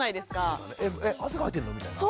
え汗かいてるの？みたいな。